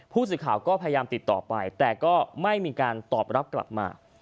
ผู้สื่อข่าวก็พยายามติดต่อไปแต่ก็ไม่มีการตอบรับกลับมา